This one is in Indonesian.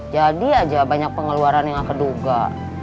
jadi aja banyak pengeluaran yang gak keduga